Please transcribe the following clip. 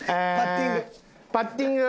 パッティング？